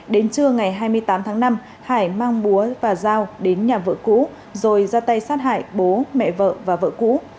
đến trưa ngày hai mươi tám tháng năm hải mang búa và giao đến nhà vợ cũ rồi ra tay sát hại bố mẹ vợ và vợ cũ